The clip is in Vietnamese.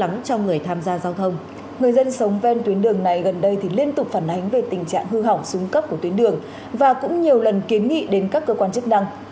người dân sống ven tuyến đường này gần đây thì liên tục phản ánh về tình trạng hư hỏng xuống cấp của tuyến đường và cũng nhiều lần kiến nghị đến các cơ quan chức năng